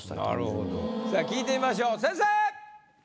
なるほどさぁ聞いてみましょう先生！